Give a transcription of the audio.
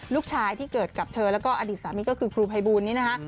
ลูกชายที่เกิดกับเธอแล้วก็อดีตสามีก็คือครูภัยบูลนี้นะคะ